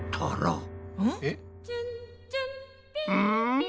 うん？